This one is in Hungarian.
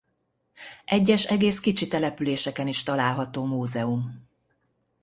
Egyes egész kicsi településeken is található múzeum.